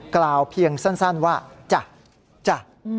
กล่าวเพียงสั้นว่าจ้ะจ้ะ